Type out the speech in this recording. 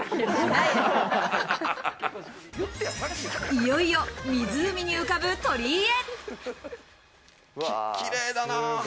いよいよ湖に浮かぶ鳥居へ。